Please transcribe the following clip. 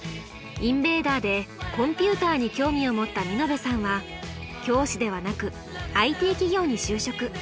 インベーダーでコンピューターに興味を持った美濃部さんは教師ではなくＩＴ企業に就職。